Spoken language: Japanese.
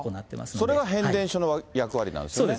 それが変電所の役割なんですね。